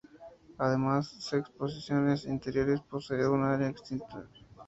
Además se exposiciones interiores posee un área exterior.